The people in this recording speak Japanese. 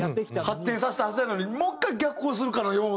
発展させたはずやのにもう１回逆行するかのような。